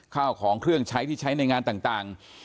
ข้าวของเครื่องใช้ที่ใช้ในงานต่าง